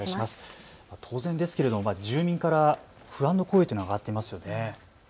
当然ですけれども住民から不安の声というのが上がっていますよね。